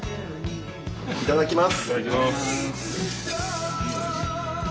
いただきます。